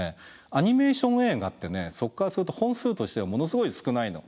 アニメーション映画ってそこからすると本数としてはものすごい少ないの。